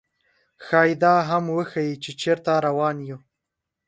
ښايي دا هم وښيي، چې چېرته روان یو.